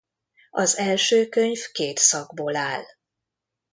Az első könyv két szakból áll.